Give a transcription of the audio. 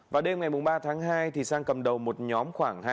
vào đêm ngày ba tháng hai sang cầm đầu một nhóm khoảng hai mươi